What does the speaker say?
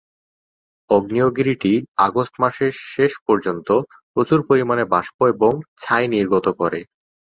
আগ্নেয়গিরিটি August মাসের শেষ পর্যন্ত প্রচুর পরিমাণে বাষ্প এবং ছাই নির্গত করে।